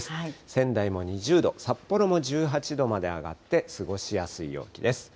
仙台も２０度、札幌も１８度まで上がって、過ごしやすい陽気です。